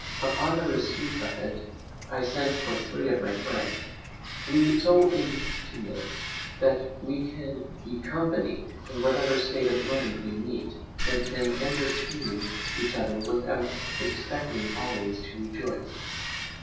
Upon the receipt of it I sent for three of my friends. We are so intimate that we can be company in whatever state of mind we meet, and can entertain each other without expecting always to rejoice.